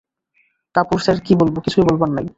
কাপুরুষদের আর কি বলব, কিছুই বলবার নাই।